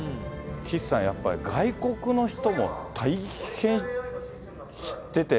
岸さん、やっぱり外国の人も大変知ってて。